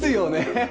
ハハハ。